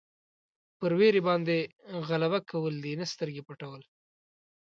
پر بېرې باندې غلبه کول دي نه سترګې پټول.